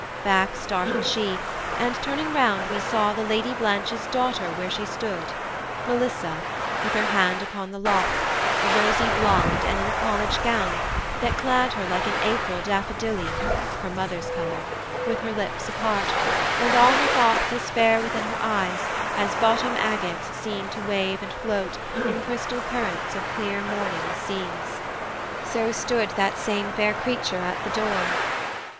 Back started she, and turning round we saw The Lady Blanche's daughter where she stood, Melissa, with her hand upon the lock, A rosy blonde, and in a college gown, That clad her like an April daffodilly (Her mother's colour) with her lips apart, And all her thoughts as fair within her eyes, As bottom agates seen to wave and float In crystal currents of clear morning seas. So stood that same fair creature at the door.